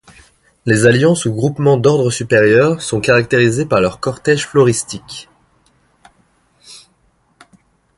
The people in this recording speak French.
Les alliances ou groupements d'ordre supérieurs sont caractérisés par leur cortège floristique.